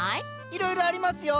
いろいろありますよ。